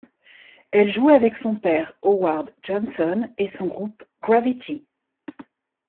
Elle joue avec son père Howard Johnson et son groupe, Gravity.